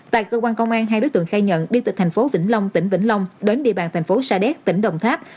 tại cơ quan công an hai đối tượng khai nhận đi từ thành phố vĩnh long tỉnh vĩnh long đến địa bàn thành phố sa đéc tỉnh đồng tháp